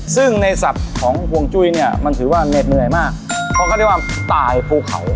ซึ่งในศัพท์ของห่วงจุ้ยเนี่ยมันถือว่าเหน็ดเหนื่อยมากเพราะเขาเรียกว่าตายภูเขา